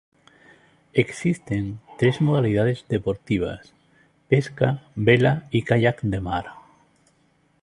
Existen tres modalidades deportivas: Pesca, Vela y Kayak de Mar.